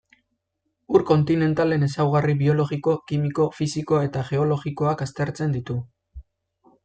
Ur kontinentalen ezaugarri biologiko, kimiko, fisiko eta geologikoak aztertzen ditu.